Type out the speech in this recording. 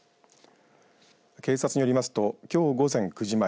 警察によりますときょう午前９時前